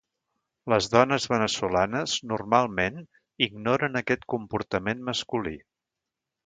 Les dones veneçolanes normalment ignoren aquest comportament masculí.